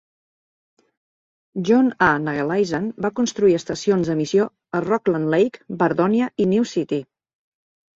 John A. Nageleisen va construir estacions de missió a Rockland Lake, Bardonia i New City.